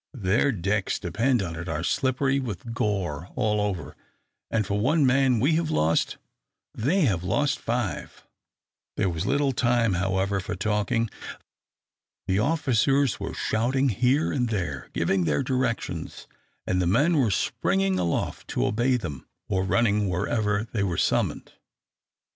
Their decks, depend upon it, are slippery with gore all over, and for one man we have lost, they have lost five." There was little time, however, for talking. The officers were shouting here and there, giving their directions, and the men were springing aloft to obey them, or running wherever they were summoned.